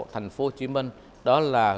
thành phố hồ chí minh đó là